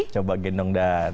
coba gendong dan